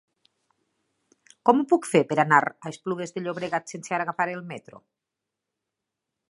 Com ho puc fer per anar a Esplugues de Llobregat sense agafar el metro?